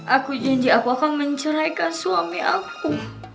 aku janji aku akan menceraikan suami aku